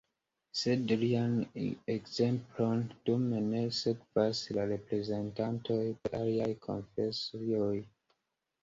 Sed lian ekzemplon dume ne sekvas la reprezentantoj de aliaj konfesioj.